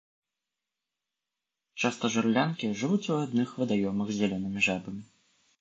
Часта жарлянкі жывуць у адных вадаёмах з зялёнымі жабамі.